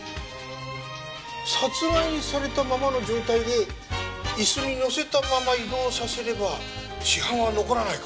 殺害されたままの状態で椅子に乗せたまま移動させれば死斑は残らないか。